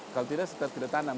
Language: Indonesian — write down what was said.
kalau tidak tidak tanam